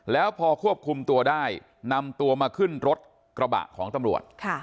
แล้วพอควบคุมตัวได้นำตัวมาขึ้นรถกระบะของตำรวจ